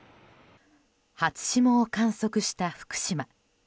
初霜を観測した福島。